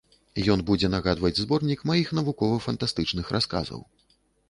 Ён будзе нагадваць зборнік маіх навукова-фантастычных расказаў.